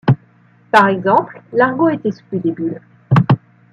Par exemple, l'argot est exclu des bulles.